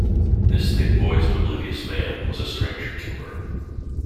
This thick-voiced, oblivious man was a stranger to her.